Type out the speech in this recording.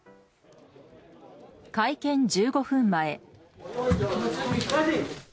会見１５分前。